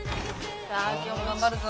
さあ今日も頑張るぞ。